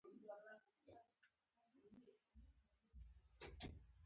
زه هره ورځ خپل موخې لیکم.